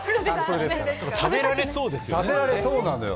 食べられそうですよね。